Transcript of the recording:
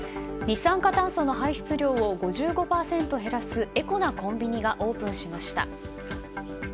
二酸化炭素の排出量を５５％減らすエコなコンビニがオープンしました。